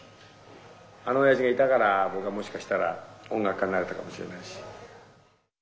あの親父がいたから僕はもしかしたら音楽家になれたかもしれないし。